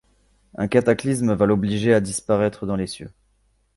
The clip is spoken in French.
Un cataclysme va l’obliger à disparaître dans les cieux.